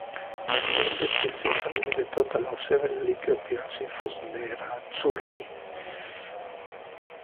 He ended the season with a total of seven league appearances for Nerazzurri.